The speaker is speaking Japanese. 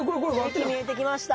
駅見えてきました！